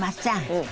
うん。